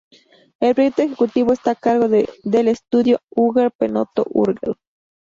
El proyecto ejecutivo está a cargo del Estudio Urgell-Penedo-Urgell.